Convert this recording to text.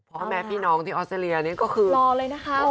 พ่อแม่พี่น้องที่ออสเตรเลียนี่ก็คือรอเลยนะคะ